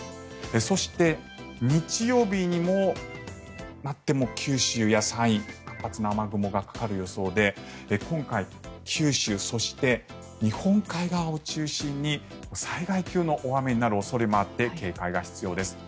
そして、日曜日になっても九州や山陰活発な雨雲がかかる予想で今回、九州そして日本海側を中心に災害級の大雨になる恐れもあって警戒が必要です。